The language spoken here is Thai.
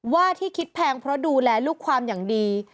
ว่าที่คิดแพงเพราะดูแลลูกความอย่างดี